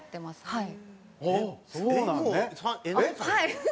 はい。